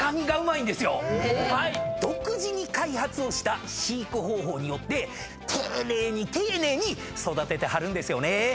独自に開発をした飼育方法によって丁寧に丁寧に育ててはるんですよね。